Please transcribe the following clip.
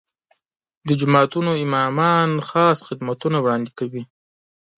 د جوماتونو امامان خاص خدمتونه وړاندې کوي.